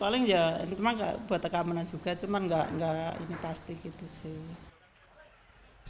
paling ya cuman buat keamanan juga cuman gak pasti gitu sih